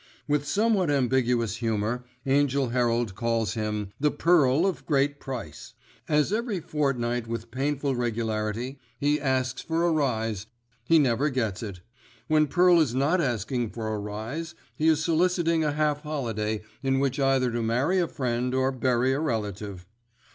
With somewhat ambiguous humour Angell Herald calls him "the pearl of great price," as every fortnight with painful regularity he asks for a rise—he never gets it. When Pearl is not asking for a rise, he is soliciting a half holiday in which either to marry a friend, or bury a relative.